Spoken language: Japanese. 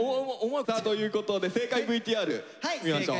さあということで正解ＶＴＲ見ましょう。